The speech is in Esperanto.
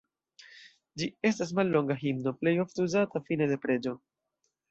Ĝi estas mallonga himno, plej ofte uzata fine de preĝo.